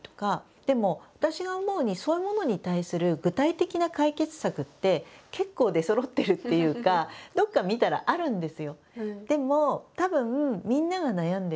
でも私が思うにそういうものに対する具体的な解決策って結構出そろってるっていうかどこか見たらあるんですよ。